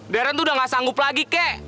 deren tuh udah gak sanggup lagi kek